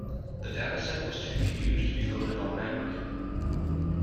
The dataset was too huge to be loaded on memory.